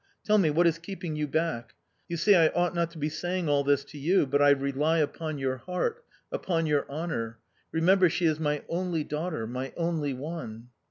Tell me, what is keeping you back?... You see, I ought not to be saying all this to you, but I rely upon your heart, upon your honour remember she is my only daughter... my only one"...